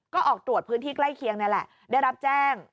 ก็ออกตรวจพื้นที่ใกล้เคียงนี่แหละได้รับแจ้ง